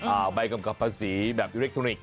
ใบกำกับภาษีแบบอิเล็กทรอนิกส